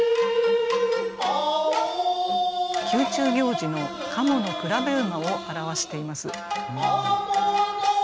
宮中行事の「賀茂の競馬」を表しています。